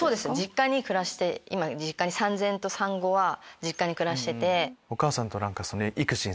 実家に暮らして産前と産後は実家に暮らしてて。